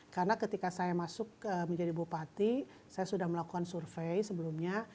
karena ketika saya masuk menjadi bupati saya sudah melakukan survei sebelumnya